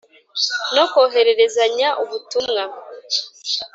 No kohererezanya ubutumwa